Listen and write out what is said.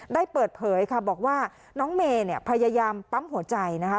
ได้เปิดเผยค่ะบอกว่าน้องเมย์เนี่ยพยายามปั๊มหัวใจนะคะ